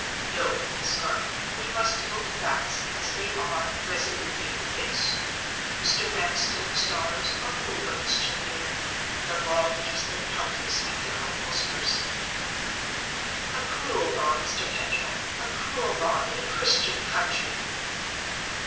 No, Miss Garth, we must look facts as they are resolutely in the face. Mr. Vanstone's daughters are Nobody's Children; and the law leaves them helpless at their uncle's mercy." "A cruel law, Mr. Pendril—a cruel law in a Christian country."